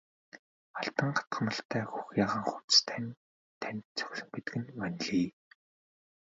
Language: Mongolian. Алтан хатгамалтай хөх ягаан хувцас тань танд зохисон гэдэг нь ванлий!